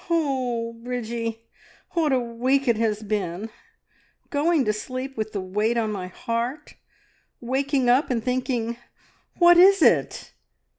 Oh, Bridgie, what a week it has been! Going to sleep with the weight on my heart; waking up and thinking, `What is it?